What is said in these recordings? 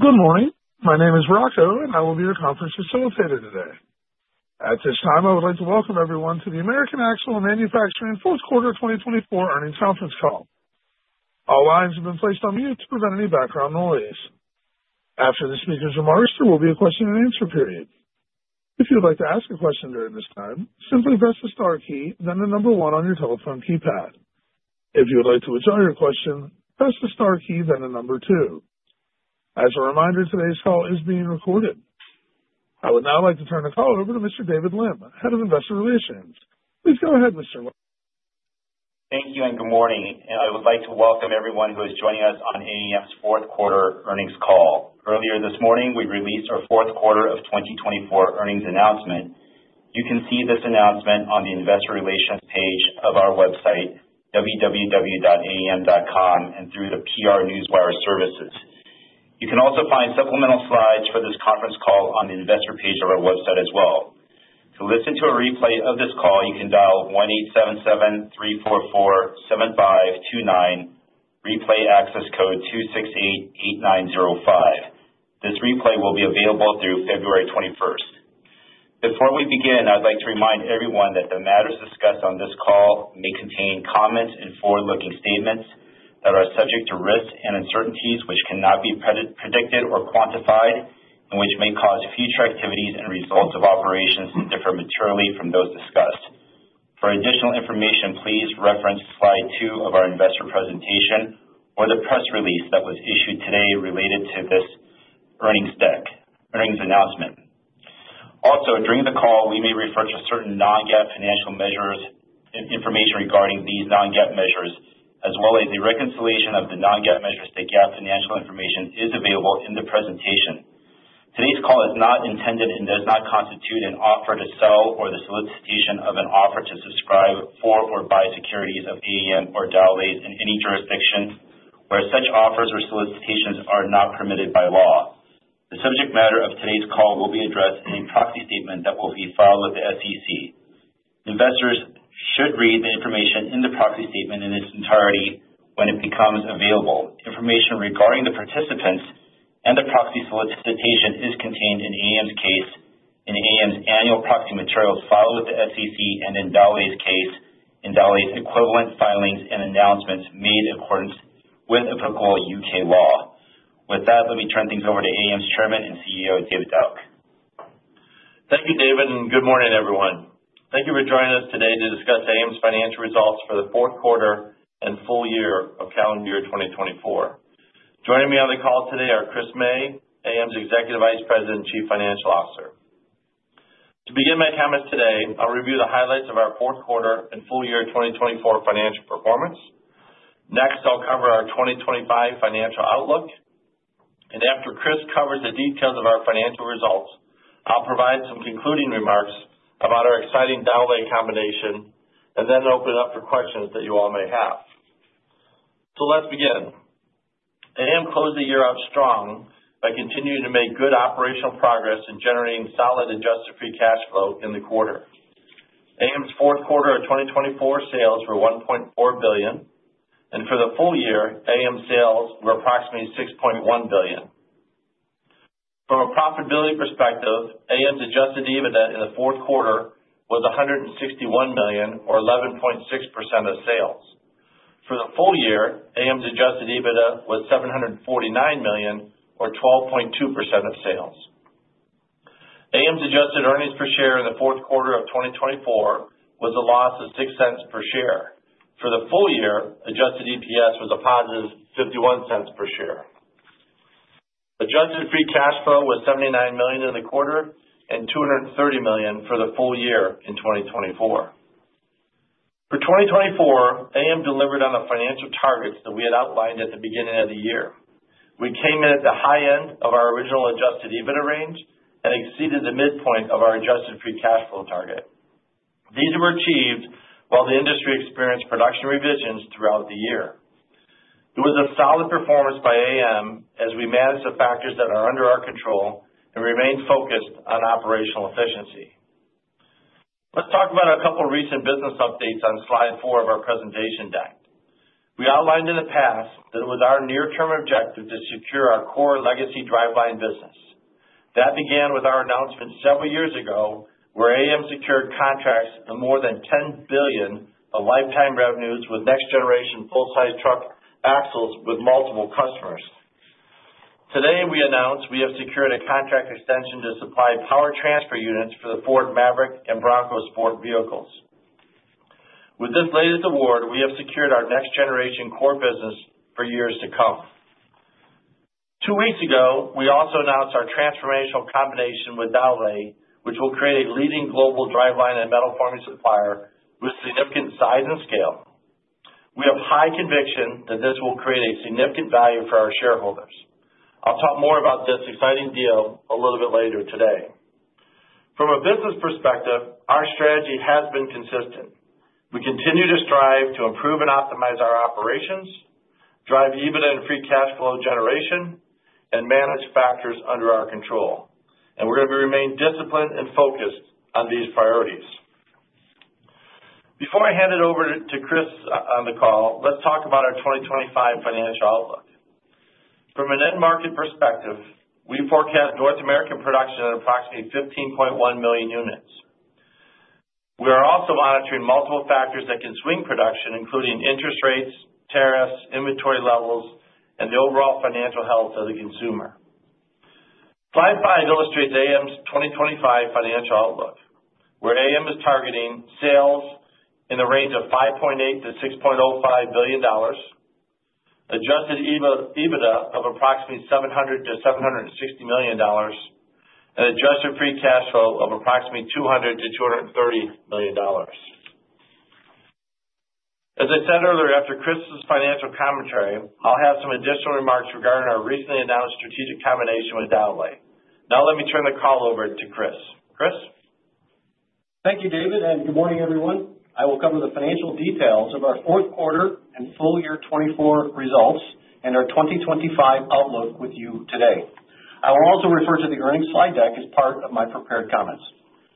Good morning. My name is Rocco, and I will be your conference facilitator today. At this time, I would like to welcome everyone to the American Axle & Manufacturing fourth quarter 2024 earnings conference call. All lines have been placed on mute to prevent any background noise. After the speakers are mic'd, there will be a question and answer period. If you would like to ask a question during this time, simply press the star key, then the number one on your telephone keypad. If you would like to withdraw your question, press the star key, then the number two. As a reminder, today's call is being recorded. I would now like to turn the call over to Mr. David Lim, Head of Investor Relations. Please go ahead, Mr. Lim. Thank you and good morning. I would like to welcome everyone who is joining us on AAM's fourth quarter earnings call. Earlier this morning, we released our fourth quarter of 2024 earnings announcement. You can see this announcement on the Investor Relations page of our website, www.aam.com, and through the PR Newswire services. You can also find supplemental slides for this conference call on the Investor page of our website as well. To listen to a replay of this call, you can dial 1-877-344-7529. Replay access code 268-8905. This replay will be available through February 21st. Before we begin, I'd like to remind everyone that the matters discussed on this call may contain comments and forward-looking statements that are subject to risks and uncertainties which cannot be predicted or quantified and which may cause future activities and results of operations to differ materially from those discussed. For additional information, please reference Slide 2 of our investor presentation or the press release that was issued today related to this earnings deck, earnings announcement. Also, during the call, we may refer to certain non-GAAP financial measures and information regarding these non-GAAP measures, as well as the reconciliation of the non-GAAP measures to GAAP financial information is available in the presentation. Today's call is not intended and does not constitute an offer to sell or the solicitation of an offer to subscribe for or buy securities of AAM or Dowlais in any jurisdiction where such offers or solicitations are not permitted by law. The subject matter of today's call will be addressed in a proxy statement that will be filed with the SEC. Investors should read the information in the proxy statement in its entirety when it becomes available. Information regarding the participants and the proxy solicitation is contained in AAM's case, in AAM's annual proxy materials filed with the SEC, and in Dowlais's case, in Dowlais's equivalent filings and announcements made in accordance with applicable UK law. With that, let me turn things over to AAM's Chairman and CEO, David Dauch. Thank you, David, and good morning, everyone. Thank you for joining us today to discuss AAM's financial results for the fourth quarter and full year of calendar year 2024. Joining me on the call today are Chris May, AAM's Executive Vice President and Chief Financial Officer. To begin my comments today, I'll review the highlights of our fourth quarter and full year 2024 financial performance. Next, I'll cover our 2025 financial outlook. And after Chris covers the details of our financial results, I'll provide some concluding remarks about our exciting Dowlais combination and then open it up for questions that you all may have. So let's begin. AAM closed the year out strong by continuing to make good operational progress in generating solid Adjusted Free Cash Flow in the quarter. AAM's fourth quarter of 2024 sales were $1.4 billion, and for the full year, AAM sales were approximately $6.1 billion. From a profitability perspective, AAM's Adjusted EBITDA in the fourth quarter was $161 million, or 11.6% of sales. For the full year, AAM's Adjusted EBITDA was $749 million, or 12.2% of sales. AAM's Adjusted Earnings Per Share in the fourth quarter of 2024 was a loss of $0.06 per share. For the full year, Adjusted EPS was a positive $0.51 per share. Adjusted Free Cash Flow was $79 million in the quarter and $230 million for the full year in 2024. For 2024, AAM delivered on the financial targets that we had outlined at the beginning of the year. We came in at the high end of our original Adjusted EBITDA range and exceeded the midpoint of our Adjusted Free Cash Flow target. These were achieved while the industry experienced production revisions throughout the year. It was a solid performance by AAM as we managed the factors that are under our control and remained focused on operational efficiency. Let's talk about a couple of recent business updates on Slide 4 of our presentation deck. We outlined in the past that it was our near-term objective to secure our core legacy driveline business. That began with our announcement several years ago where AAM secured contracts of more than $10 billion of lifetime revenues with next-generation full-size truck axles with multiple customers. Today, we announce we have secured a contract extension to supply power transfer units for the Ford Maverick and Bronco Sport vehicles. With this latest award, we have secured our next-generation core business for years to come. Two weeks ago, we also announced our transformational combination with Dowlais, which will create a leading global driveline and metal-forming supplier with significant size and scale. We have high conviction that this will create a significant value for our shareholders. I'll talk more about this exciting deal a little bit later today. From a business perspective, our strategy has been consistent. We continue to strive to improve and optimize our operations, drive EBITDA and Free Cash Flow generation, and manage factors under our control, and we're going to remain disciplined and focused on these priorities. Before I hand it over to Chris on the call, let's talk about our 2025 financial outlook. From an end-market perspective, we forecast North American production at approximately 15.1 million units. We are also monitoring multiple factors that can swing production, including interest rates, tariffs, inventory levels, and the overall financial health of the consumer. Slide 5 illustrates AAM's 2025 financial outlook, where AAM is targeting sales in the range of $5.8-$6.05 billion, Adjusted EBITDA of approximately $700-$760 million, and Adjusted Free Cash Flow of approximately $200-$230 million. As I said earlier, after Chris's financial commentary, I'll have some additional remarks regarding our recently announced strategic combination with Dowlais. Now let me turn the call over to Chris. Chris? Thank you, David, and good morning, everyone. I will cover the financial details of our fourth quarter and full year 2024 results and our 2025 outlook with you today. I will also refer to the earnings slide deck as part of my prepared comments.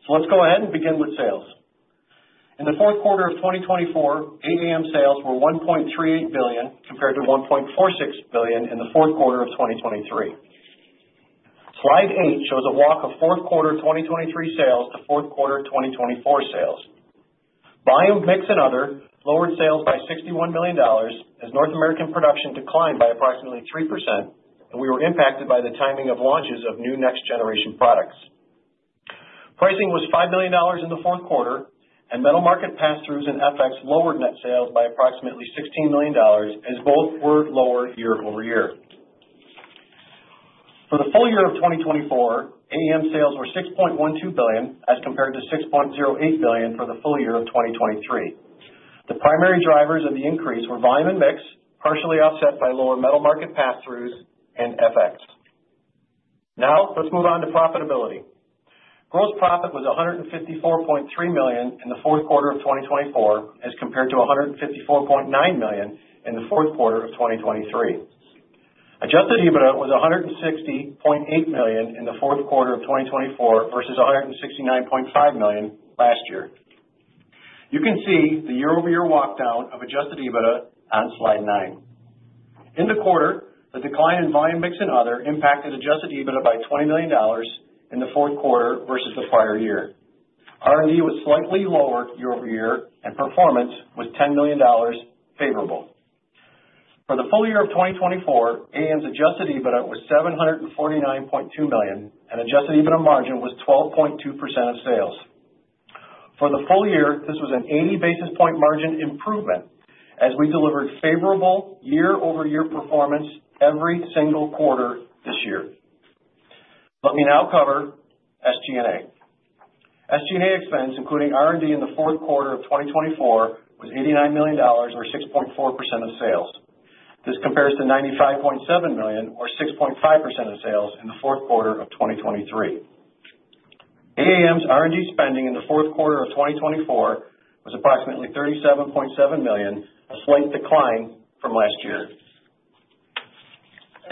So let's go ahead and begin with sales. In the fourth quarter of 2024, AAM sales were $1.38 billion compared to $1.46 billion in the fourth quarter of 2023. Slide 8 shows a walk of fourth quarter 2023 sales to fourth quarter 2024 sales. Volume mix and other lowered sales by $61 million as North American production declined by approximately 3%, and we were impacted by the timing of launches of new next-generation products. Pricing was $5 million in the fourth quarter, and metal market pass-throughs and FX lowered net sales by approximately $16 million as both were lower year over year. For the full year of 2024, AAM sales were $6.12 billion as compared to $6.08 billion for the full year of 2023. The primary drivers of the increase were volume and mix, partially offset by lower metal market pass-throughs and FX. Now let's move on to profitability. Gross profit was $154.3 million in the fourth quarter of 2024 as compared to $154.9 million in the fourth quarter of 2023. Adjusted EBITDA was $160.8 million in the fourth quarter of 2024 versus $169.5 million last year. You can see the year-over-year walkdown of Adjusted EBITDA on Slide 9. In the quarter, the decline in volume mix and other impacted Adjusted EBITDA by $20 million in the fourth quarter versus the prior year. R&D was slightly lower year over year, and performance was $10 million favorable. For the full year of 2024, AAM's Adjusted EBITDA was $749.2 million, and Adjusted EBITDA margin was 12.2% of sales. For the full year, this was an 80 basis points margin improvement as we delivered favorable year-over-year performance every single quarter this year. Let me now cover SG&A. SG&A expense, including R&D in the fourth quarter of 2024, was $89 million or 6.4% of sales. This compares to $95.7 million or 6.5% of sales in the fourth quarter of 2023. AAM's R&D spending in the fourth quarter of 2024 was approximately $37.7 million, a slight decline from last year.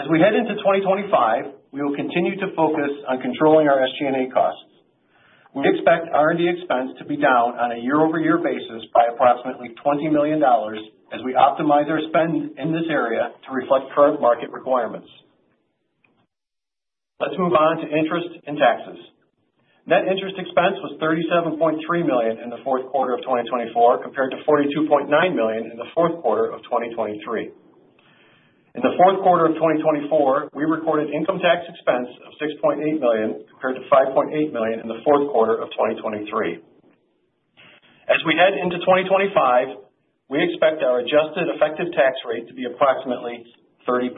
As we head into 2025, we will continue to focus on controlling our SG&A costs. We expect R&D expense to be down on a year-over-year basis by approximately $20 million as we optimize our spend in this area to reflect current market requirements. Let's move on to interest and taxes. Net interest expense was $37.3 million in the fourth quarter of 2024 compared to $42.9 million in the fourth quarter of 2023. In the fourth quarter of 2024, we recorded income tax expense of $6.8 million compared to $5.8 million in the fourth quarter of 2023. As we head into 2025, we expect our Adjusted Effective Tax Rate to be approximately 30%.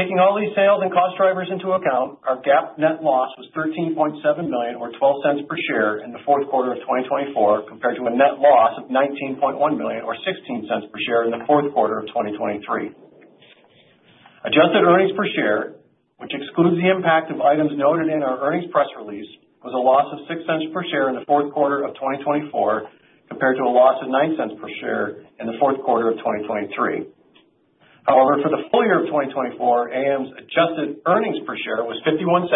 Taking all these sales and cost drivers into account, our GAAP net loss was $13.7 million or $0.12 per share in the fourth quarter of 2024 compared to a net loss of $19.1 million or $0.16 per share in the fourth quarter of 2023. Adjusted Earnings Per Share, which excludes the impact of items noted in our earnings press release, was a loss of $0.06 per share in the fourth quarter of 2024 compared to a loss of $0.09 per share in the fourth quarter of 2023. However, for the full year of 2024, AAM's Adjusted Earnings Per Share was $0.51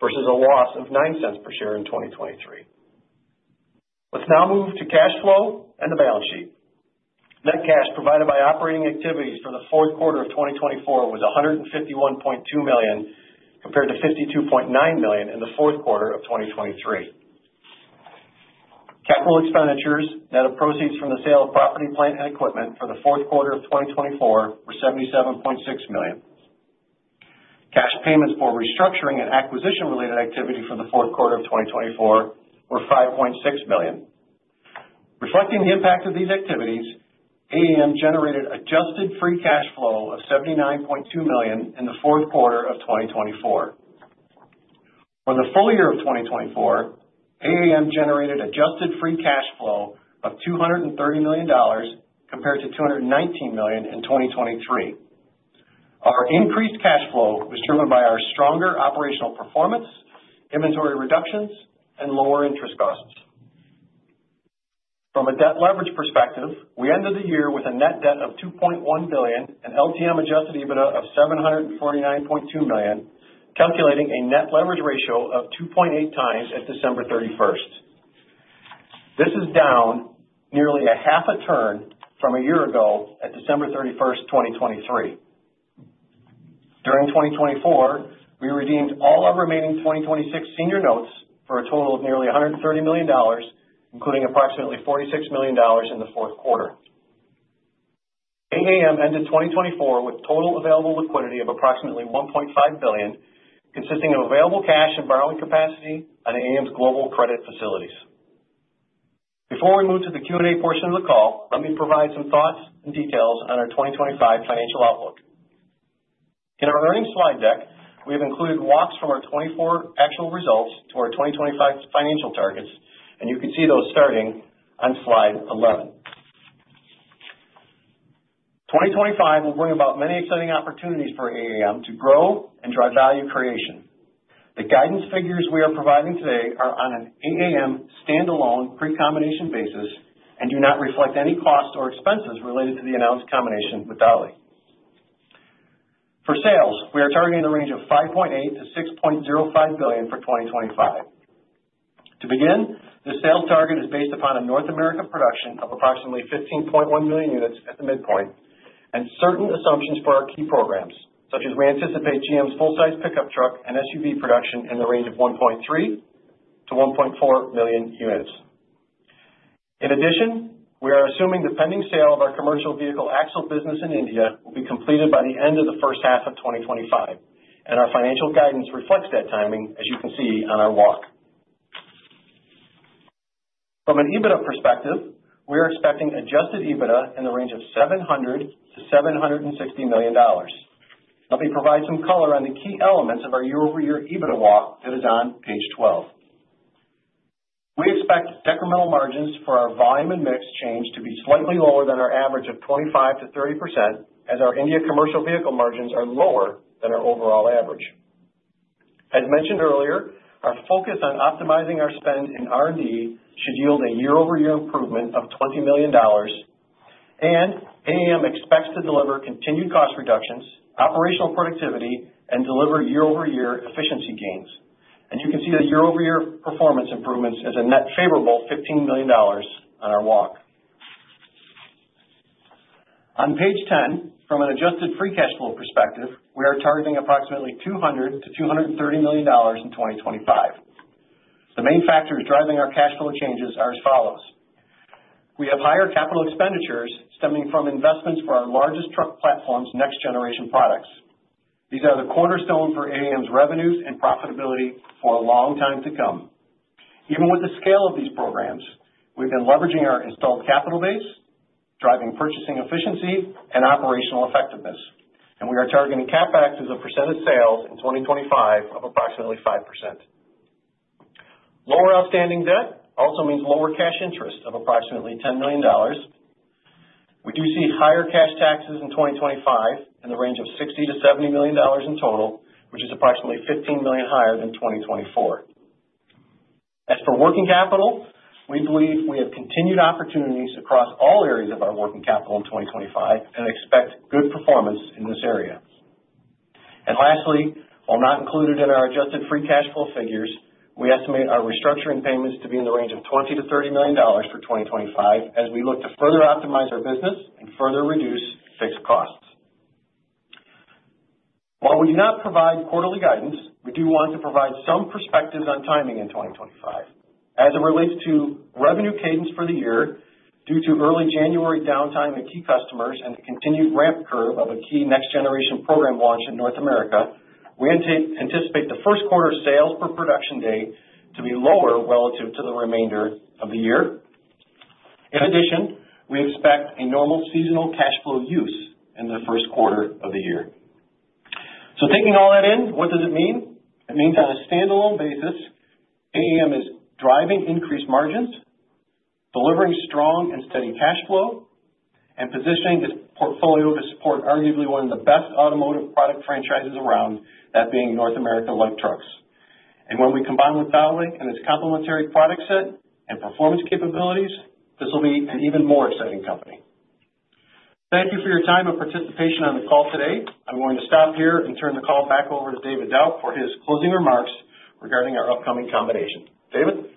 versus a loss of $0.09 per share in 2023. Let's now move to cash flow and the balance sheet. Net cash provided by operating activities for the fourth quarter of 2024 was $151.2 million compared to $52.9 million in the fourth quarter of 2023. Capital expenditures, net of proceeds from the sale of property, plant, and equipment for the fourth quarter of 2024, were $77.6 million. Cash payments for restructuring and acquisition-related activity for the fourth quarter of 2024 were $5.6 million. Reflecting the impact of these activities, AAM generated Adjusted Free Cash Flow of $79.2 million in the fourth quarter of 2024. For the full year of 2024, AAM generated Adjusted Free Cash Flow of $230 million compared to $219 million in 2023. Our increased cash flow was driven by our stronger operational performance, inventory reductions, and lower interest costs. From a debt leverage perspective, we ended the year with a net debt of $2.1 billion and LTM Adjusted EBITDA of $749.2 million, calculating a net leverage ratio of 2.8x at December 31st. This is down nearly a half a turn from a year ago at December 31st, 2023. During 2024, we redeemed all our remaining 2026 senior notes for a total of nearly $130 million, including approximately $46 million in the fourth quarter. AAM ended 2024 with total available liquidity of approximately $1.5 billion, consisting of available cash and borrowing capacity on AAM's global credit facilities. Before we move to the Q&A portion of the call, let me provide some thoughts and details on our 2025 financial outlook. In our earnings slide deck, we have included walks from our 2024 actual results to our 2025 financial targets, and you can see those starting on Slide 11. 2025 will bring about many exciting opportunities for AAM to grow and drive value creation. The guidance figures we are providing today are on an AAM standalone pre-combination basis and do not reflect any costs or expenses related to the announced combination with Dowlais. For sales, we are targeting a range of $5.8-$6.05 billion for 2025. To begin, the sales target is based upon a North America production of approximately 15.1 million units at the midpoint and certain assumptions for our key programs, such as we anticipate GM's full-size pickup truck and SUV production in the range of 1.3-1.4 million units. In addition, we are assuming the pending sale of our commercial vehicle axle business in India will be completed by the end of the first half of 2025, and our financial guidance reflects that timing, as you can see on our walk. From an EBITDA perspective, we are expecting Adjusted EBITDA in the range of $700-$760 million. Let me provide some color on the key elements of our year-over-year EBITDA walk. It is on Page 12. We expect decremental margins for our volume and mix change to be slightly lower than our average of 25%-30%, as our India commercial vehicle margins are lower than our overall average. As mentioned earlier, our focus on optimizing our spend in R&D should yield a year-over-year improvement of $20 million, and AAM expects to deliver continued cost reductions, operational productivity, and deliver year-over-year efficiency gains. And you can see the year-over-year performance improvements as a net favorable $15 million on our walk. On Page 10, from an Adjusted Free Cash Flow perspective, we are targeting approximately $200-$230 million in 2025. The main factors driving our cash flow changes are as follows. We have higher capital expenditures stemming from investments for our largest truck platform's next-generation products. These are the cornerstone for AAM's revenues and profitability for a long time to come. Even with the scale of these programs, we've been leveraging our installed capital base, driving purchasing efficiency and operational effectiveness, and we are targeting CapEx as a percent of sales in 2025 of approximately 5%. Lower outstanding debt also means lower cash interest of approximately $10 million. We do see higher cash taxes in 2025 in the range of $60-$70 million in total, which is approximately $15 million higher than 2024. As for working capital, we believe we have continued opportunities across all areas of our working capital in 2025 and expect good performance in this area. And lastly, while not included in our Adjusted Free Cash Flow figures, we estimate our restructuring payments to be in the range of $20-$30 million for 2025 as we look to further optimize our business and further reduce fixed costs. While we do not provide quarterly guidance, we do want to provide some perspectives on timing in 2025. As it relates to revenue cadence for the year, due to early January downtime and key customers and the continued ramp curve of a key next-generation program launch in North America, we anticipate the first quarter sales per production day to be lower relative to the remainder of the year. In addition, we expect a normal seasonal cash flow use in the first quarter of the year. So taking all that in, what does it mean? It means on a standalone basis, AAM is driving increased margins, delivering strong and steady cash flow, and positioning its portfolio to support arguably one of the best automotive product franchises around, that being North American light trucks. And when we combine with Dowlais and its complementary product set and performance capabilities, this will be an even more exciting company. Thank you for your time and participation on the call today. I'm going to stop here and turn the call back over to David Dauch for his closing remarks regarding our upcoming combination. David?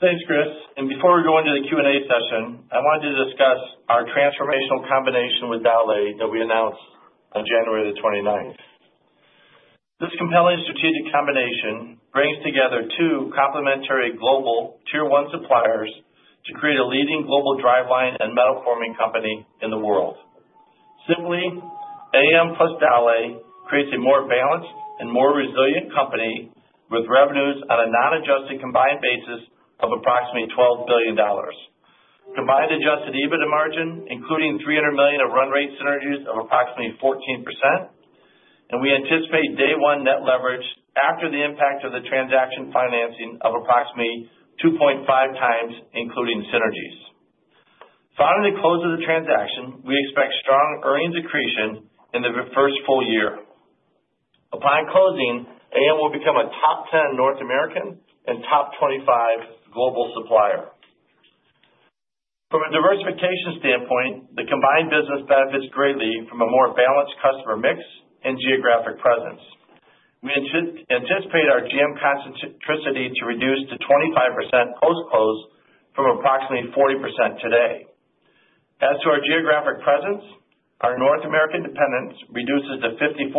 Thanks, Chris. And before we go into the Q&A session, I wanted to discuss our transformational combination with Dowlais that we announced on January the 29th. This compelling strategic combination brings together two complementary global Tier 1 suppliers to create a leading global driveline and metal forming company in the world. Simply, AAM plus Dowlais creates a more balanced and more resilient company with revenues on a non-Adjusted combined basis of approximately $12 billion. Combined Adjusted EBITDA margin including $300 million of run rate synergies of approximately 14%, and we anticipate day one net leverage after the impact of the transaction financing of approximately 2.5x including synergies. Following the close of the transaction, we expect strong earnings accretion in the first full year. Upon closing, AAM will become a top 10 North American and top 25 global supplier. From a diversification standpoint, the combined business benefits greatly from a more balanced customer mix and geographic presence. We anticipate our GM concentricity to reduce to 25% post-close from approximately 40% today. As to our geographic presence, our North American dependence reduces to 54%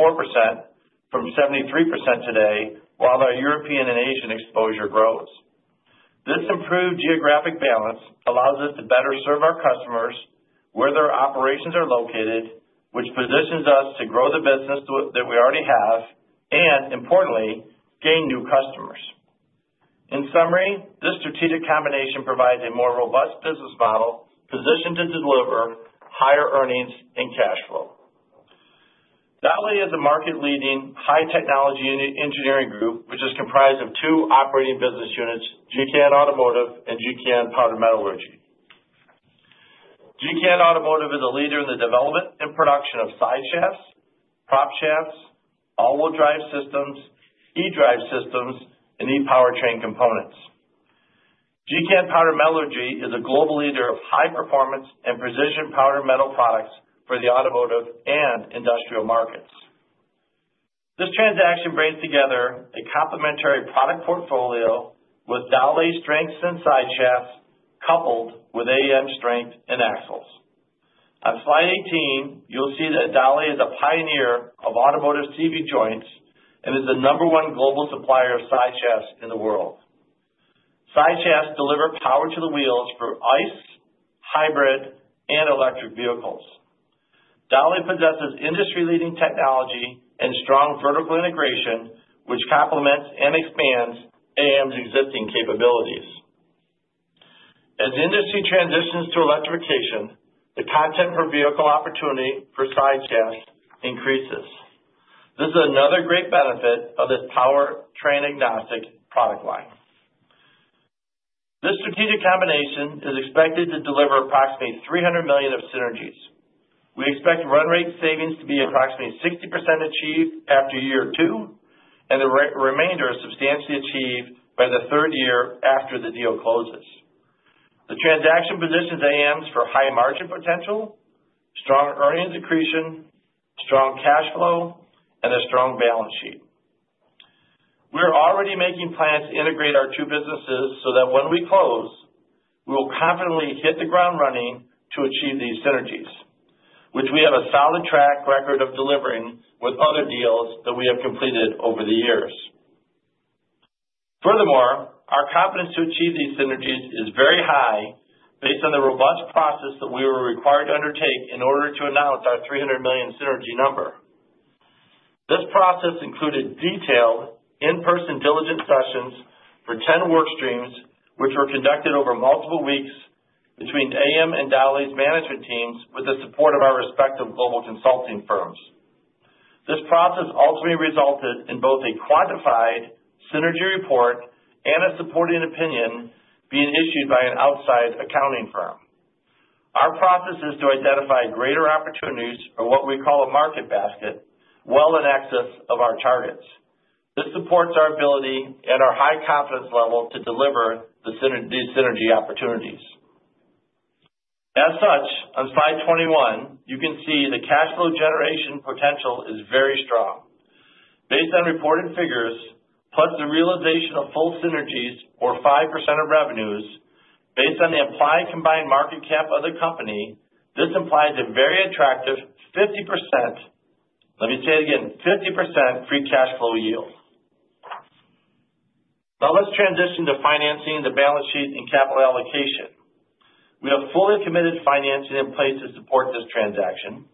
from 73% today, while our European and Asian exposure grows. This improved geographic balance allows us to better serve our customers where their operations are located, which positions us to grow the business that we already have and, importantly, gain new customers. In summary, this strategic combination provides a more robust business model positioned to deliver higher earnings and cash flow. Dowlais is a market-leading high-technology engineering group, which is comprised of two operating business units, GKN Automotive and GKN Powder Metallurgy. GKN Automotive is a leader in the development and production of side shafts, prop shafts, all-wheel drive systems, e-drive systems, and e-powertrain components. GKN Powder Metallurgy is a global leader of high-performance and precision powder metal products for the automotive and industrial markets. This transaction brings together a complementary product portfolio with Dowlais strengths and side shafts coupled with AAM strength and axles. On Slide 18, you'll see that Dowlais is a pioneer of automotive CV joints and is the number one global supplier of side shafts in the world. Side shafts deliver power to the wheels for ICE, hybrid, and electric vehicles. Dowlais possesses industry-leading technology and strong vertical integration, which complements and expands AAM's existing capabilities. As the industry transitions to electrification, the content per vehicle opportunity for side shafts increases. This is another great benefit of this powertrain agnostic product line. This strategic combination is expected to deliver approximately $300 million of synergies. We expect run rate savings to be approximately 60% achieved after year two, and the remainder is substantially achieved by the third year after the deal closes. The transaction positions AAM for high margin potential, strong earnings accretion, strong cash flow, and a strong balance sheet. We are already making plans to integrate our two businesses so that when we close, we will confidently hit the ground running to achieve these synergies, which we have a solid track record of delivering with other deals that we have completed over the years. Furthermore, our confidence to achieve these synergies is very high based on the robust process that we were required to undertake in order to announce our $300 million synergy number. This process included detailed in-person diligence sessions for 10 work streams, which were conducted over multiple weeks between AAM and Dowlais's management teams with the support of our respective global consulting firms. This process ultimately resulted in both a quantified synergy report and a supporting opinion being issued by an outside accounting firm. Our process is to identify greater opportunities or what we call a market basket well in excess of our targets. This supports our ability and our high confidence level to deliver these synergy opportunities. As such, on Slide 21, you can see the cash flow generation potential is very strong. Based on reported figures, plus the realization of full synergies or 5% of revenues based on the applied combined market cap of the company, this implies a very attractive 50%, let me say it again, 50% Free Cash Flow yield. Now let's transition to financing, the balance sheet, and capital allocation. We have fully committed financing in place to support this transaction,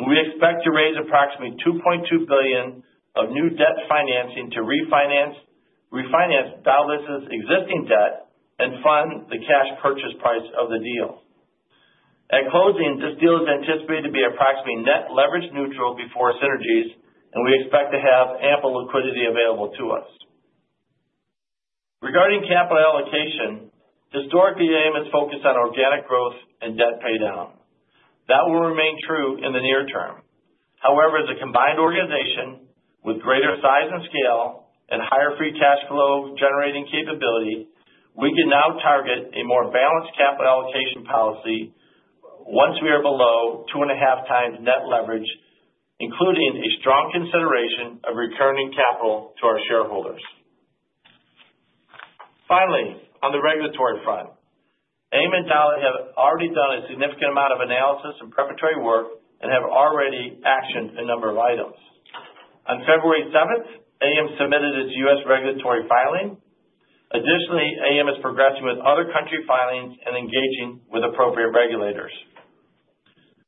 and we expect to raise approximately $2.2 billion of new debt financing to refinance Dowlais's existing debt and fund the cash purchase price of the deal. At closing, this deal is anticipated to be approximately net leverage neutral before synergies, and we expect to have ample liquidity available to us. Regarding capital allocation, historically, AAM has focused on organic growth and debt paydown. That will remain true in the near term. However, as a combined organization with greater size and scale and higher Free Cash Flow generating capability, we can now target a more balanced capital allocation policy once we are below two and a half times net leverage, including a strong consideration of returning capital to our shareholders. Finally, on the regulatory front, AAM and Dowlais have already done a significant amount of analysis and preparatory work and have already actioned a number of items. On February 7th, AAM submitted its U.S. regulatory filing. Additionally, AAM is progressing with other country filings and engaging with appropriate regulators.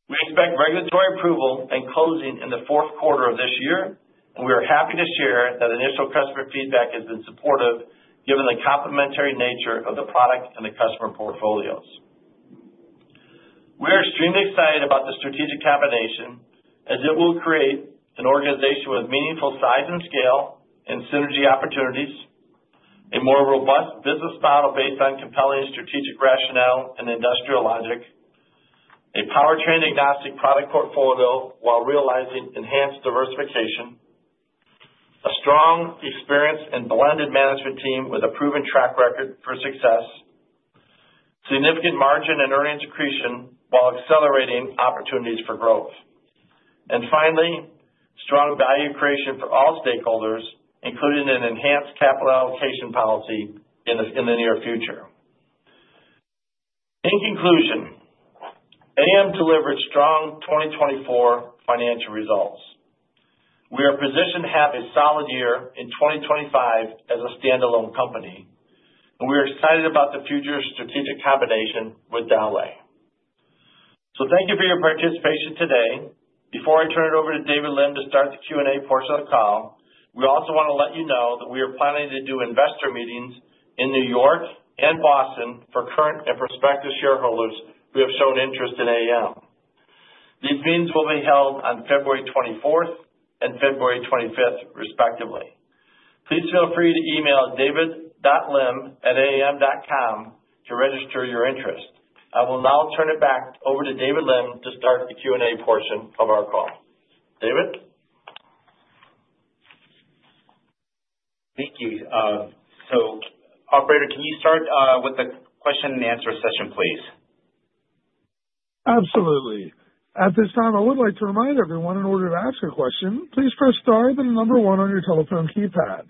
We expect regulatory approval and closing in the fourth quarter of this year, and we are happy to share that initial customer feedback has been supportive given the complementary nature of the product and the customer portfolios. We are extremely excited about the strategic combination as it will create an organization with meaningful size and scale and synergy opportunities, a more robust business model based on compelling strategic rationale and industrial logic, a powertrain agnostic product portfolio while realizing enhanced diversification, a strong experience and blended management team with a proven track record for success, significant margin and earnings accretion while accelerating opportunities for growth, and finally, strong value creation for all stakeholders, including an enhanced capital allocation policy in the near future. In conclusion, AAM delivered strong 2024 financial results. We are positioned to have a solid year in 2025 as a standalone company, and we are excited about the future strategic combination with Dowlais. So thank you for your participation today. Before I turn it over to David Lim to start the Q&A portion of the call, we also want to let you know that we are planning to do investor meetings in New York and Boston for current and prospective shareholders who have shown interest in AAM. These meetings will be held on February 24th and February 25th, respectively. Please feel free to email david.lim@aam.com to register your interest. I will now turn it back over to David Lim to start the Q&A portion of our call. David? Thank you. So, Operator, can you start with the question and answer session, please? Absolutely. At this time, I would like to remind everyone, in order to ask a question, please press star then the number one on your telephone keypad.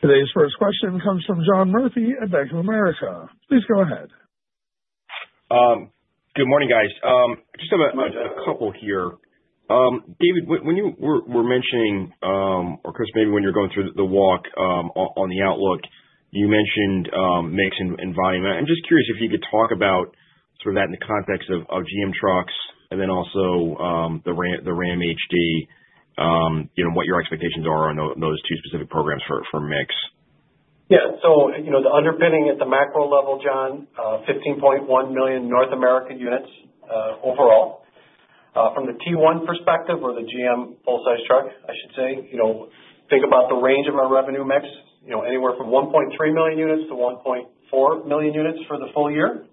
Today's first question comes from John Murphy at Bank of America. Please go ahead. Good morning, guys. Just have a couple here. David, when you were mentioning, or Chris, maybe when you're going through the walk on the outlook, you mentioned mix and volume. I'm just curious if you could talk about sort of that in the context of GM trucks and then also the Ram HD and what your expectations are on those two specific programs for mix. Yeah. So the underpinning at the macro level, John, 15.1 million North American units overall. From the T1 perspective or the GM full-size truck, I should say, think about the range of our revenue mix, anywhere from 1.3-1.4 million units for the full year.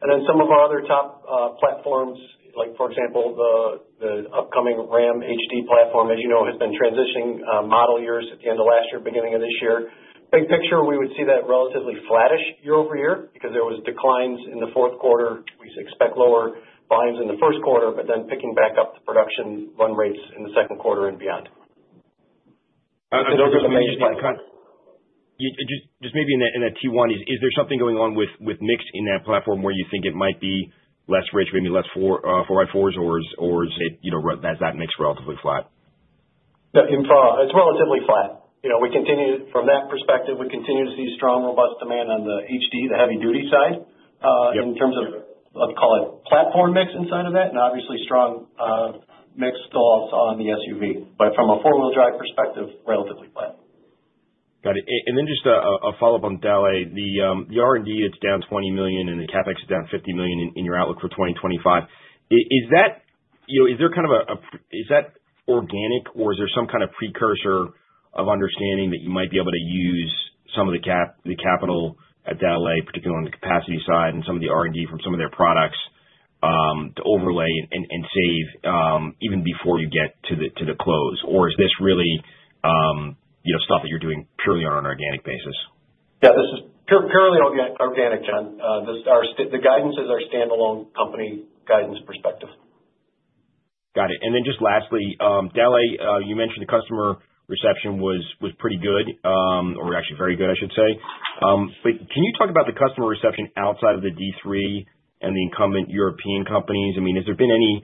And then some of our other top platforms, like for example, the upcoming Ram HD platform, as you know, has been transitioning model years at the end of last year, beginning of this year. Big picture, we would see that relatively flattish year over year because there were declines in the fourth quarter. We expect lower volumes in the first quarter, but then picking back up the production run rates in the second quarter and beyond. And those are the major platforms. Just maybe in that T1, is there something going on with mix in that platform where you think it might be less rich, maybe less 4x4s, or is that mix relatively flat? It's relatively flat. From that perspective, we continue to see strong, robust demand on the HD, the heavy-duty side, in terms of, let's call it, platform mix inside of that, and obviously strong mix still also on the SUV. But from a four-wheel drive perspective, relatively flat. Got it. And then just a follow-up on Dowlais. The R&D, it's down $20 million, and the CapEx is down $50 million in your outlook for 2025. Is there kind of, is that organic, or is there some kind of precursor of understanding that you might be able to use some of the capital at Dowlais, particularly on the capacity side and some of the R&D from some of their products to overlay and save even before you get to the close? Or is this really stuff that you're doing purely on an organic basis? Yeah, this is purely organic, John. The guidance is our standalone company guidance perspective. Got it. And then just lastly, Dauch, you mentioned the customer reception was pretty good, or actually very good, I should say. But can you talk about the customer reception outside of the D3 and the incumbent European companies? I mean, has there been any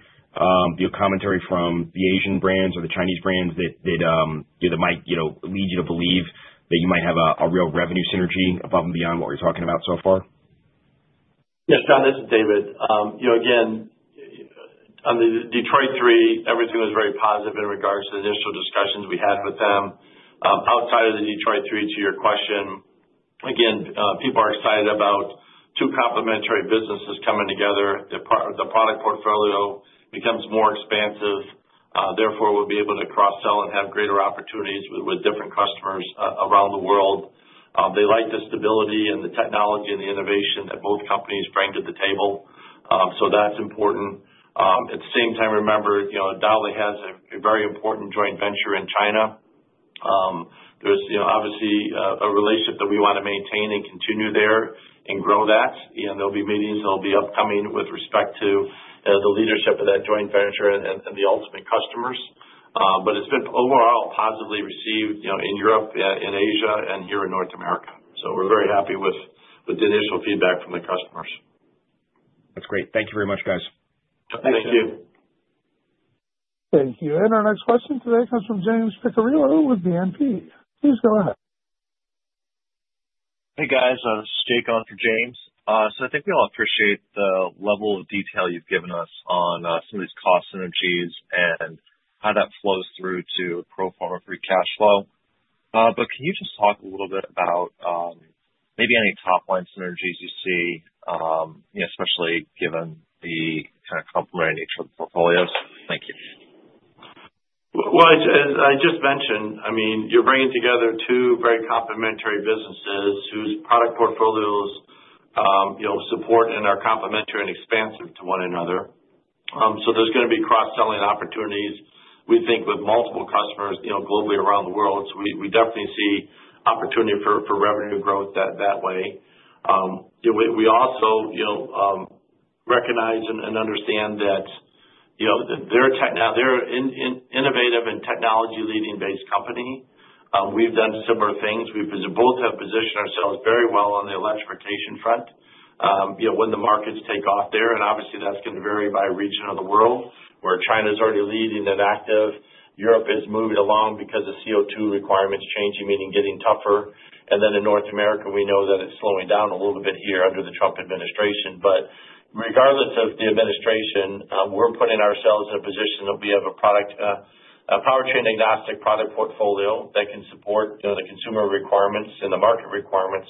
commentary from the Asian brands or the Chinese brands that might lead you to believe that you might have a real revenue synergy above and beyond what we're talking about so far? Yes, John, this is David. Again, on the Detroit 3, everything was very positive in regards to the initial discussions we had with them. Outside of the Detroit 3, to your question, again, people are excited about two complementary businesses coming together. The product portfolio becomes more expansive. Therefore, we'll be able to cross-sell and have greater opportunities with different customers around the world. They like the stability and the technology and the innovation that both companies bring to the table. So that's important. At the same time, remember, Dowlais has a very important joint venture in China. There's obviously a relationship that we want to maintain and continue there and grow that. And there'll be meetings that'll be upcoming with respect to the leadership of that joint venture and the ultimate customers. But it's been overall positively received in Europe, in Asia, and here in North America. So we're very happy with the initial feedback from thecustomers. That's great. Thank you very much, guys. Thank you. Thank you. And our next question today comes from James Picariello with BNP. Please go ahead. Hey, guys. This is Jake on for James. So I think we all appreciate the level of detail you've given us on some of these cost synergies and how that flows through to pro forma Free Cash Flow. But can you just talk a little bit about maybe any top-line synergies you see, especially given the kind of complementary nature of the portfolios? Thank you. Well, as I just mentioned, I mean, you're bringing together two very complementary businesses whose product portfolios support and are complementary and expansive to one another. So there's going to be cross-selling opportunities, we think, with multiple customers globally around the world. So we definitely see opportunity for revenue growth that way. We also recognize and understand that they're an innovative and technology-leading-based company. We've done similar things. We both have positioned ourselves very well on the electrification front when the markets take off there. And obviously, that's going to vary by region of the world, where China is already leading and active. Europe is moving along because of CO2 requirements changing, meaning getting tougher. And then in North America, we know that it's slowing down a little bit here under the Trump administration. But regardless of the administration, we're putting ourselves in a position that we have a powertrain agnostic product portfolio that can support the consumer requirements and the market requirements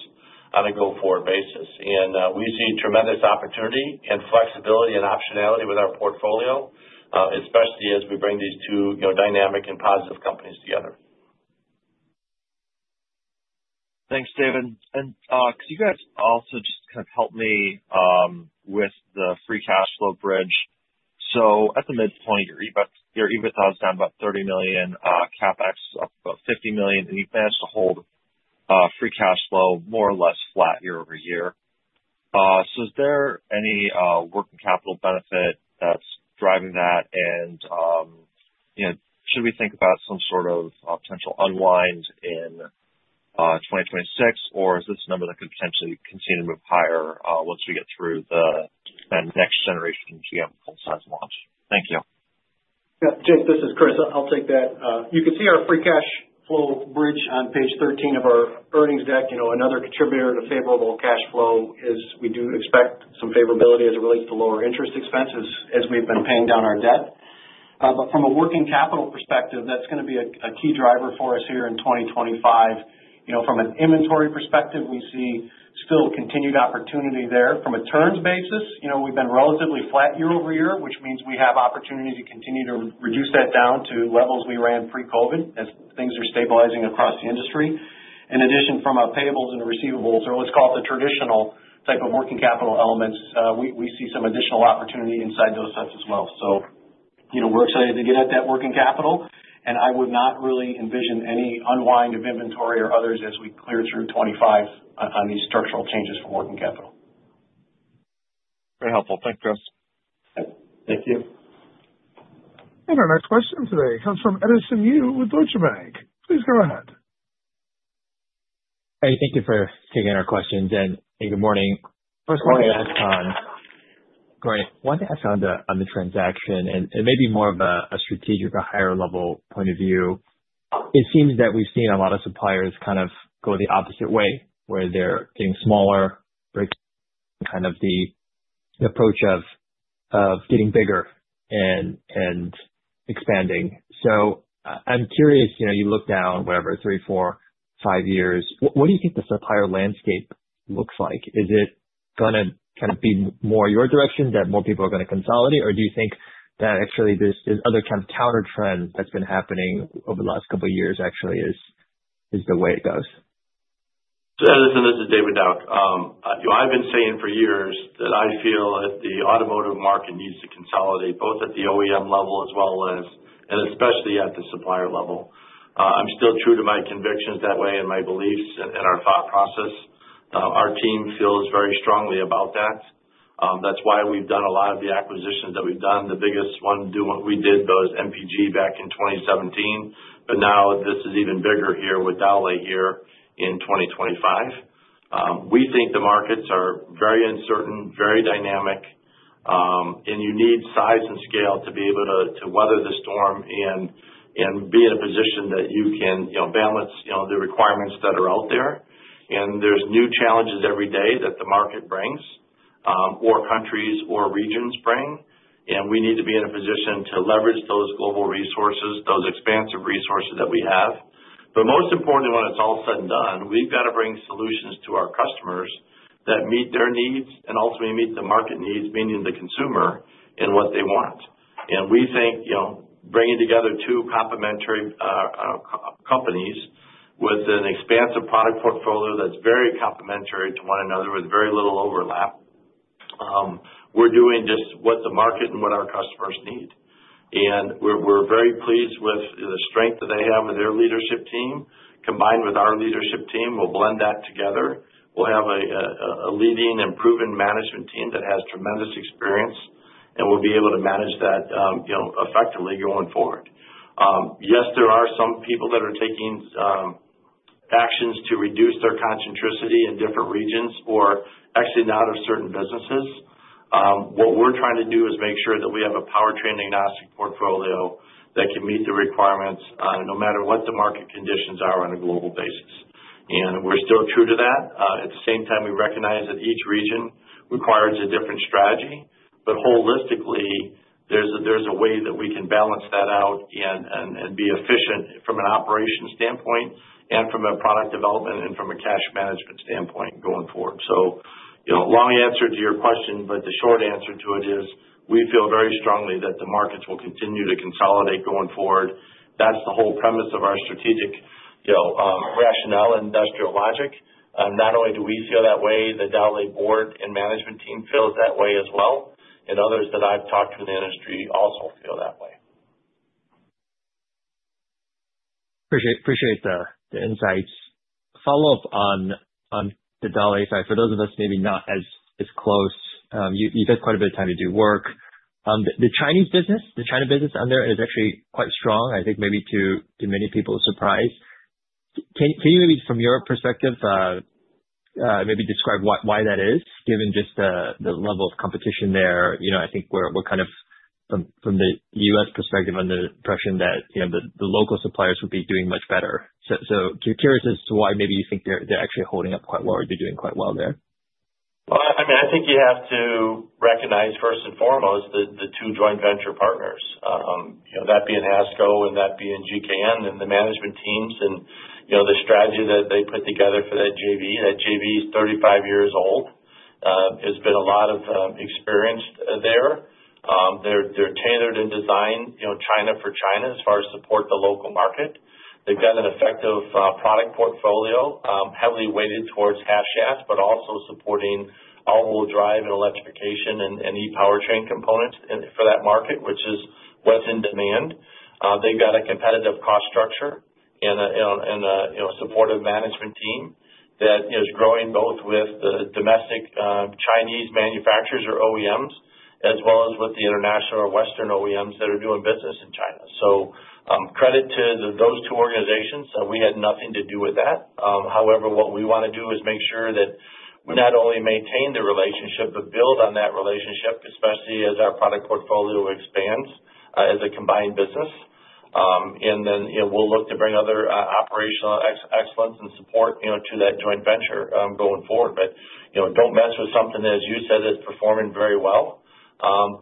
on a go-forward basis. And we see tremendous opportunity and flexibility and optionality with our portfolio, especially as we bring these two dynamic and positive companies together. Thanks, David. And could you guys also just kind of help me with the Free Cash Flow bridge? So at the midpoint, your EBITDA is down about $30 million, CapEx up about $50 million, and you've managed to hold Free Cash Flow more or less flat year over year. So is there any working capital benefit that's driving that? And should we think about some sort of potential unwind in 2026, or is this a number that could potentially continue to move higher once we get through the next generation GM full-size launch? Thank you. Yeah. Jake, this is Chris. I'll take that. You can see our Free Cash Flow bridge on page 13 of our earnings deck. Another contributor to favorable cash flow is we do expect some favorability as it relates to lower interest expenses as we've been paying down our debt. But from a working capital perspective, that's going to be a key driver for us here in 2025. From an inventory perspective, we see still continued opportunity there. From a turns basis, we've been relatively flat year over year, which means we have opportunity to continue to reduce that down to levels we ran pre-COVID as things are stabilizing across the industry. In addition, from our payables and receivables, or let's call it the traditional type of working capital elements, we see some additional opportunity inside those stocks as well. So we're excited to get at that working capital. And I would not really envision any unwind of inventory or others as we clear through 2025 on these structural changes for working capital. Very helpful. Thanks, Chris. Thank you. And our next question today comes from Edison Yu with Deutsche Bank. Please go ahead. Hey, thank you for taking our questions. And hey, good morning. First question I wanted to ask on - great. I wanted to ask on the transaction, and maybe more of a strategic, a higher-level point of view. It seems that we've seen a lot of suppliers kind of go the opposite way, where they're getting smaller, breaking kind of the approach of getting bigger and expanding. So I'm curious, you look down, whatever, three, four, five years, what do you think the supplier landscape looks like? Is it going to kind of be more your direction that more people are going to consolidate, or do you think that actually there's other kind of counter-trends that's been happening over the last couple of years actually is the way it goes? Edison, this is David Dauch. I've been saying for years that I feel that the automotive market needs to consolidate both at the OEM level as well as, and especially at the supplier level. I'm still true to my convictions that way and my beliefs and our thought process. Our team feels very strongly about that. That's why we've done a lot of the acquisitions that we've done. The biggest one we did was MPG back in 2017, but now this is even bigger here with Dowlais here in 2025. We think the markets are very uncertain, very dynamic, and you need size and scale to be able to weather the storm and be in a position that you can balance the requirements that are out there. And there's new challenges every day that the market brings or countries or regions bring. And we need to be in a position to leverage those global resources, those expansive resources that we have. But most importantly, when it's all said and done, we've got to bring solutions to our customers that meet their needs and ultimately meet the market needs, meaning the consumer, and what they want. And we think bringing together two complementary companies with an expansive product portfolio that's very complementary to one another with very little overlap, we're doing just what the market and what our customers need. And we're very pleased with the strength that they have with their leadership team. Combined with our leadership team, we'll blend that together. We'll have a leading and proven management team that has tremendous experience, and we'll be able to manage that effectively going forward. Yes, there are some people that are taking actions to reduce their concentricity in different regions or actually not of certain businesses. What we're trying to do is make sure that we have a powertrain agnostic portfolio that can meet the requirements no matter what the market conditions are on a global basis. And we're still true to that. At the same time, we recognize that each region requires a different strategy. But holistically, there's a way that we can balance that out and be efficient from an operation standpoint and from a product development and from a cash management standpoint going forward. So long answer to your question, but the short answer to it is we feel very strongly that the markets will continue to consolidate going forward. That's the whole premise of our strategic rationale and industrial logic. And not only do we feel that way, the Dowlais board and management team feels that way as well. And others that I've talked to in the industry also feel that way. Appreciate the insights. Follow-up on the Dowlais side. For those of us maybe not as close, you've had quite a bit of time to do work. The Chinese business, the China business on there is actually quite strong, I think maybe to many people's surprise. Can you maybe from your perspective maybe describe why that is, given just the level of competition there? I think we're kind of, from the U.S. perspective, under the impression that the local suppliers would be doing much better. So curious as to why maybe you think they're actually holding up quite well or they're doing quite well there. Well, I mean, I think you have to recognize first and foremost the two joint venture partners, that being HASCO and that being GKN and the management teams and the strategy that they put together for that JV. That JV is 35 years old. There's been a lot of experience there. They're tailored and designed in China for China as far as supporting the local market. They've got an effective product portfolio heavily weighted towards half shafts, but also supporting all-wheel drive and electrification and e-powertrain components for that market, which is what's in demand. They've got a competitive cost structure and a supportive management team that is growing both with the domestic Chinese manufacturers or OEMs as well as with the international or Western OEMs that are doing business in China. So credit to those two organizations. We had nothing to do with that. However, what we want to do is make sure that we not only maintain the relationship, but build on that relationship, especially as our product portfolio expands as a combined business. Then we'll look to bring other operational excellence and support to that joint venture going forward. But don't mess with something that, as you said, is performing very well.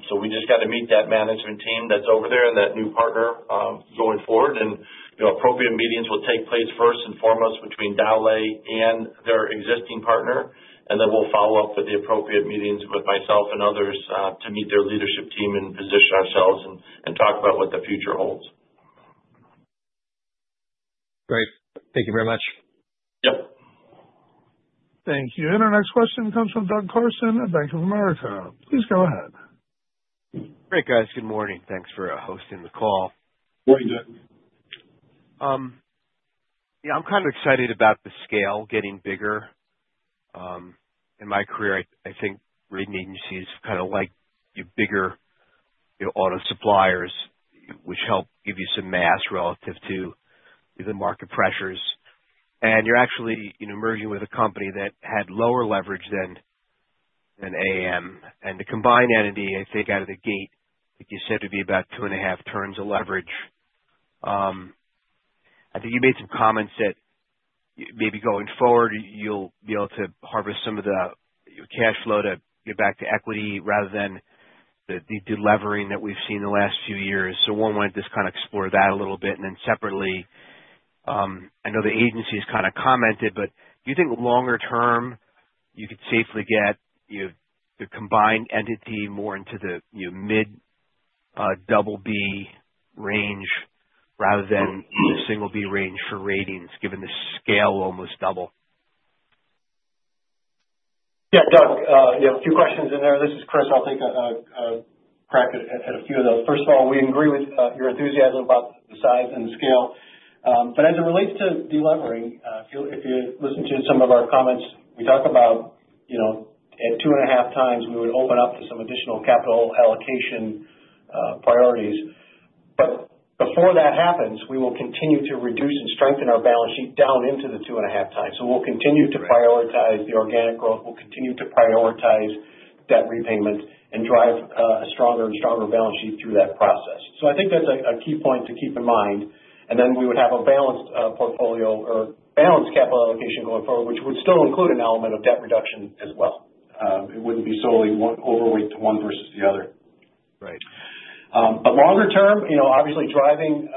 So we just got to meet that management team that's over there and that new partner going forward. And appropriate meetings will take place first and foremost between Dowlais and their existing partner. And then we'll follow up with the appropriate meetings with myself and others to meet their leadership team and position ourselves and talk about what the future holds. Great. Thank you very much. Yep. Thank you. And our next question comes from Doug Carson at Bank of America. Please go ahead. Great, guys. Good morning. Thanks for hosting the call. Morning, David. Yeah, I'm kind of excited about the scale getting bigger. In my career, I think rating agencies kind of like your bigger auto suppliers, which help give you some mass relative to the market pressures. And you're actually merging with a company that had lower leverage than AAM. And the combined entity, I think out of the gate, like you said, would be about two and a half turns of leverage. I think you made some comments that maybe going forward, you'll be able to harvest some of the cash flow to get back to equity rather than the deleveraging that we've seen the last few years. So I wanted to just kind of explore that a little bit. And then separately, I know the agencies have kind of commented, but do you think longer term you could safely get the combined entity more into the Mid-Double-B range rather than Single-B range for ratings, given the scale almost double? Yeah, Doug, a few questions in there. This is Chris. I'll take a crack at a few of those. First of all, we agree with your enthusiasm about the size and the scale. But as it relates to delivering, if you listen to some of our comments, we talk about, at two and a half times, we would open up to some additional capital allocation priorities. But before that happens, we will continue to reduce and strengthen our balance sheet down into the two and a half times. So we'll continue to prioritize the organic growth. We'll continue to prioritize that repayment and drive a stronger and stronger balance sheet through that process. So I think that's a key point to keep in mind. And then we would have a balanced portfolio or balanced capital allocation going forward, which would still include an element of debt reduction as well. It wouldn't be solely one overweight to one versus the other. Right. But longer term, obviously driving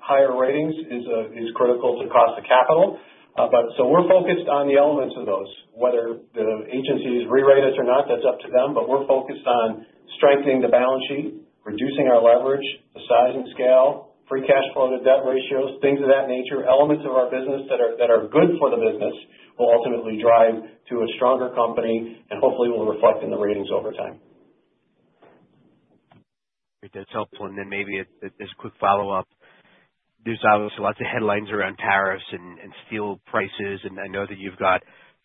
higher ratings is critical to cost of capital. But so we're focused on the elements of those. Whether the agencies re-rated us or not, that's up to them. But we're focused on strengthening the balance sheet, reducing our leverage, the size and scale, Free Cash Flow to debt ratios, things of that nature. Elements of our business that are good for the business will ultimately drive to a stronger company and hopefully will reflect in the ratings over time. Great. That's helpful. And then maybe as a quick follow-up, there's obviously lots of headlines around tariffs and steel prices. And I know that you've got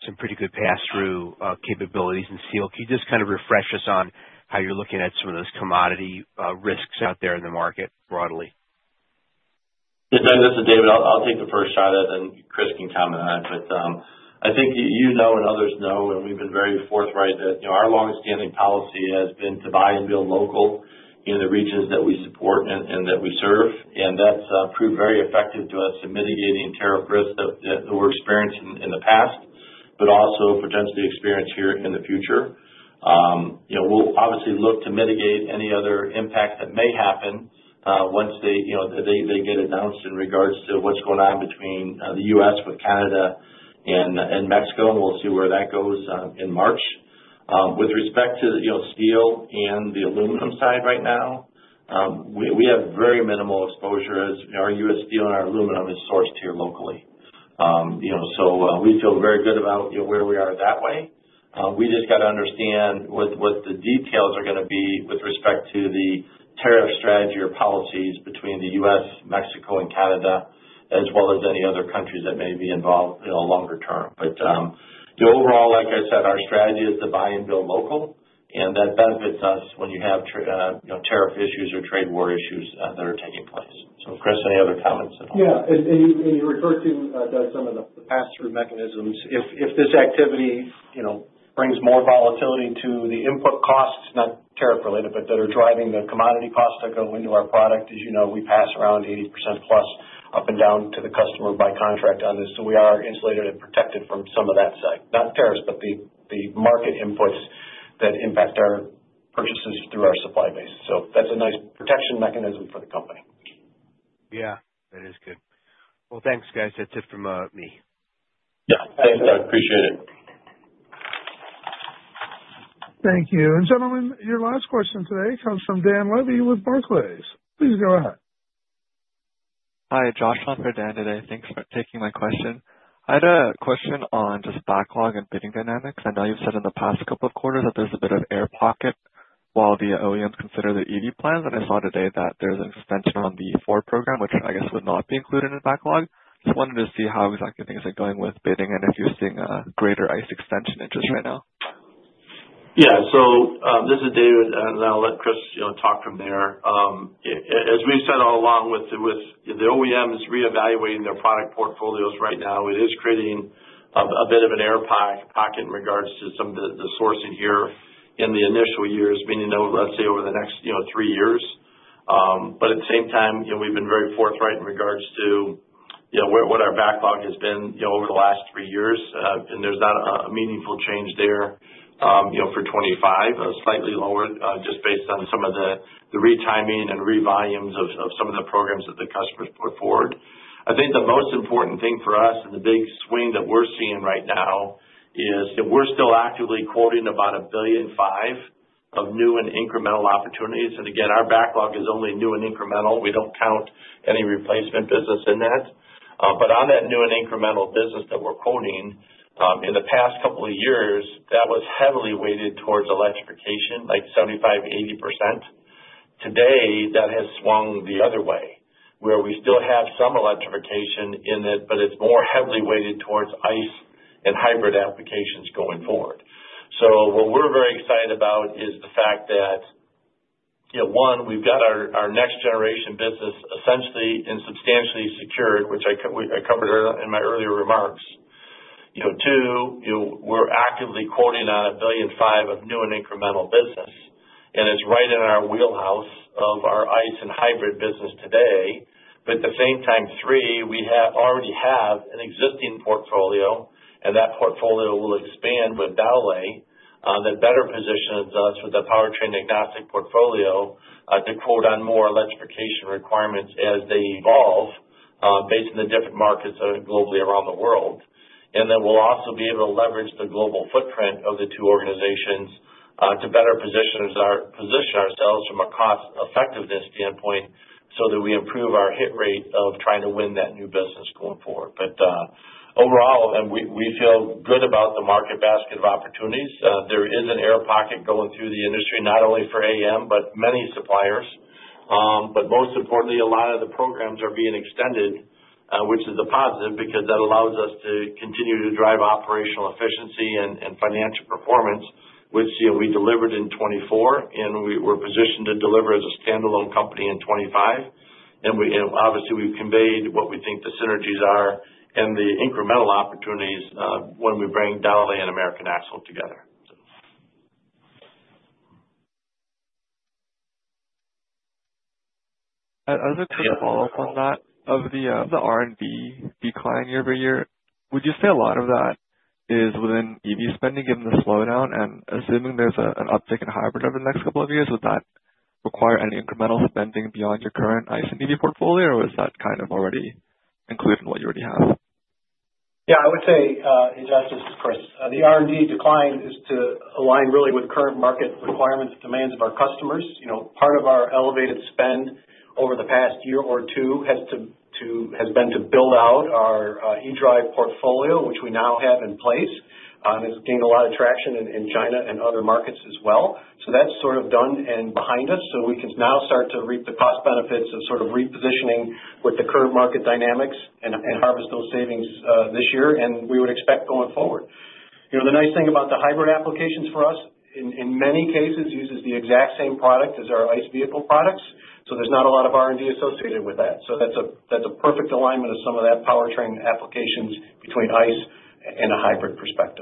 some pretty good pass-through capabilities in steel. Can you just kind of refresh us on how you're looking at some of those commodity risks out there in the market broadly? Doug, this is David. I'll take the first shot at it, and Chris can comment on it. But I think you know and others know, and we've been very forthright that our longstanding policy has been to buy and build local in the regions that we support and that we serve. And that's proved very effective to us in mitigating tariff risks that we're experiencing in the past, but also potentially experience here in the future. We'll obviously look to mitigate any other impacts that may happen once they get announced in regards to what's going on between the U.S. with Canada and Mexico. And we'll see where that goes in March. With respect to steel and the aluminum side right now, we have very minimal exposure as our U.S. steel and our aluminum is sourced here locally. So we feel very good about where we are that way. We just got to understand what the details are going to be with respect to the tariff strategy or policies between the U.S., Mexico, and Canada, as well as any other countries that may be involved longer term, but overall, like I said, our strategy is to buy and build local, and that benefits us when you have tariff issues or trade war issues that are taking place, so, Chris, any other comments at all? Yeah, and you referred to some of the pass-through mechanisms. If this activity brings more volatility to the input costs, not tariff-related, but that are driving the commodity costs that go into our product, as you know, we pass around 80% plus up and down to the customer by contract on this, so we are insulated and protected from some of that side. Not tariffs, but the market inputs that impact our purchases through our supply base. So that's a nice protection mechanism for the company. Yeah. That is good. Well, thanks, guys. That's it from me. Yeah. Thanks, Doug. Appreciate it. Thank you. And gentlemen, your last question today comes from Dan Levy with Barclays. Please go ahead. Hi, Josh on for Dan today. Thanks for taking my question. I had a question on just backlog and bidding dynamics. I know you've said in the past couple of quarters that there's a bit of air pocket while the OEMs consider the EV plans. And I saw today that there's an extension on the Ford program, which I guess would not be included in backlog. Just wanted to see how exactly things are going with bidding and if you're seeing a greater ICE extension interest right now. Yeah. So this is David, and I'll let Chris talk from there. As we've said all along with the OEMs reevaluating their product portfolios right now, it is creating a bit of an air pocket in regards to some of the sourcing here in the initial years, meaning, let's say, over the next three years. But at the same time, we've been very forthright in regards to what our backlog has been over the last three years. And there's not a meaningful change there for 2025, slightly lower, just based on some of the retiming and re-volumes of some of the programs that the customers put forward. I think the most important thing for us and the big swing that we're seeing right now is we're still actively quoting about $1.5 billion of new and incremental opportunities. And again, our backlog is only new and incremental. We don't count any replacement business in that. But on that new and incremental business that we're quoting, in the past couple of years, that was heavily weighted towards electrification, like 75%-80%. Today, that has swung the other way, where we still have some electrification in it, but it's more heavily weighted towards ICE and hybrid applications going forward. So what we're very excited about is the fact that, one, we've got our next generation business essentially and substantially secured, which I covered in my earlier remarks. Two, we're actively quoting on $1.5 billion of new and incremental business. And it's right in our wheelhouse of our ICE and hybrid business today. But at the same time, three, we already have an existing portfolio, and that portfolio will expand with Dowlais that better positions us with a powertrain agnostic portfolio to quote on more electrification requirements as they evolve based on the different markets globally around the world. And then we'll also be able to leverage the global footprint of the two organizations to better position ourselves from a cost effectiveness standpoint so that we improve our hit rate of trying to win that new business going forward. But overall, we feel good about the market basket of opportunities. There is an air pocket going through the industry, not only for AAM, but many suppliers. But most importantly, a lot of the programs are being extended, which is a positive because that allows us to continue to drive operational efficiency and financial performance, which we delivered in 2024. We're positioned to deliver as a standalone company in 2025. Obviously, we've conveyed what we think the synergies are and the incremental opportunities when we bring Dowlais and American Axle together. As a quick follow-up on that, of the R&D decline year over year, would you say a lot of that is within EV spending given the slowdown? Assuming there's an uptick in hybrid over the next couple of years, would that require any incremental spending beyond your current ICE and EV portfolio, or is that kind of already included in what you already have? Yeah, I would say, and just this, Chris, the R&D decline is to align really with current market requirements, demands of our customers. Part of our elevated spend over the past year or two has been to build out our eDrive portfolio, which we now have in place. And it's gained a lot of traction in China and other markets as well. So that's sort of done and behind us. So we can now start to reap the cost benefits of sort of repositioning with the current market dynamics and harvest those savings this year. And we would expect going forward. The nice thing about the hybrid applications for us, in many cases, uses the exact same product as our ICE vehicle products. So there's not a lot of R&D associated with that. So that's a perfect alignment of some of that powertrain applications between ICE and a hybrid perspective.